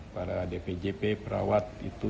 para dpjp perawat itu